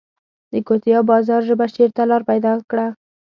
د کوڅې او بازار ژبه شعر ته لار پیدا کړه